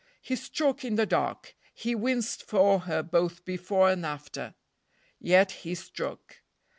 He struck in the dark. He winced for her both before and after. Yet he struck.